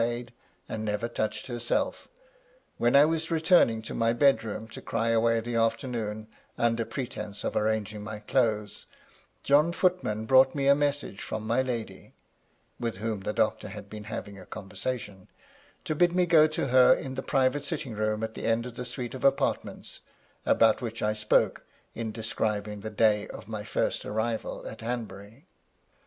65 made, and never touched herself — when I was returning to my bed room to cry away the afternoon, under pretence of 'arranging my clothes, John Footman brought me a message from my lady (with whom the doctor had been having a conversation) to bid me go to her in that private sitting room at the end of the suite of apartments, about which I spoke in describing the day of my first arrival at Hanbury.